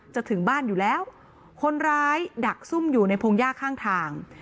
ถึงบ้านอยู่แล้วคนร้ายดักซุ่มอยู่ในพงหญ้าข้างทาง